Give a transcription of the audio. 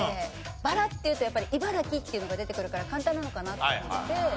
バラっていうとやっぱり茨城っていうのが出てくるから簡単なのかなと思って。